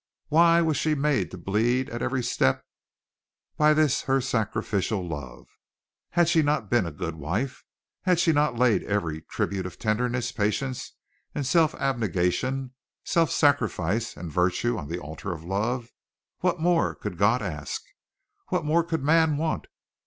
Why was she made to bleed at every step by this her sacrificial love? Had she not been a good wife? Had she not laid every tribute of tenderness, patience, self abnegation, self sacrifice and virtue on the altar of love? What more could God ask? What more could man want?